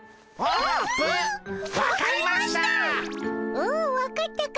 おお分かったか。